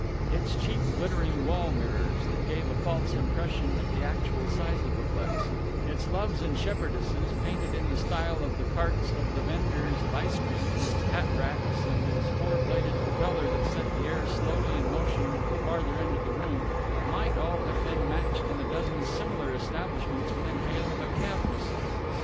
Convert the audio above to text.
Its cheap glittering wall mirrors, that gave a false impression of the actual size of the place, its Loves and Shepherdesses painted in the style of the carts of the vendors of ice cream, its hat racks and its four bladed propeller that set the air slowly in motion at the farther end of the room, might all have been matched in a dozen similar establishments within hail of a cab whistle.